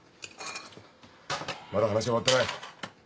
まだ話は終わってない。